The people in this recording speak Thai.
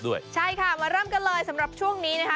ด้วยใช่ค่ะมาเริ่มกันเลยสำหรับช่วงนี้นะคะ